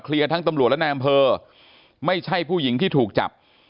ทั้งตำรวจและนายอำเภอไม่ใช่ผู้หญิงที่ถูกจับ